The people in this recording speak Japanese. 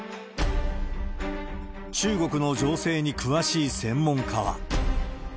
中国の情勢に詳しい専門家は。